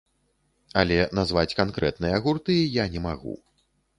Але назваць канкрэтныя гурты я не магу.